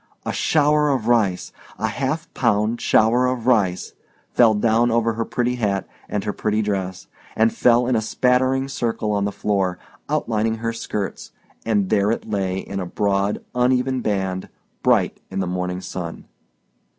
A shower of rice—a half pound shower of rice—fell down over her pretty hat and her pretty dress, and fell in a spattering circle on the floor, outlining her skirts—and there it lay in a broad, uneven band, bright in the morning sun.